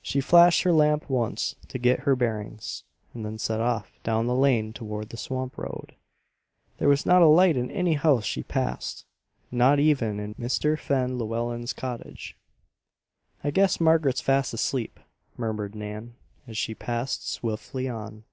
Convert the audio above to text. She flashed her lamp once, to get her bearings, and then set off down the lane toward the swamp road. There was not a light in any house she passed, not even in Mr. Fen Llewellen's cottage. "I guess Margaret's fast asleep," murmured Nan, as she passed swiftly on.